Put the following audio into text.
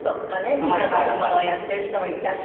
みんなのものをやってる人もいたし。